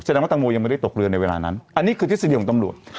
แสดงว่าตังโมยังไม่ได้ตกเรือในเวลานั้นอันนี้คือทฤษฎีของตำรวจ